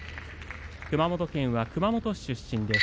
熊本県熊本市出身です。